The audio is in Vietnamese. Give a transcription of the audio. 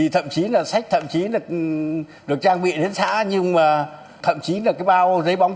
tập trung tìm cộng